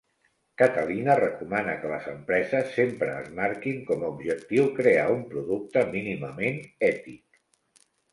Catelina recomana que les empreses sempre es marquin com a objectiu crear un producte mínimament ètic.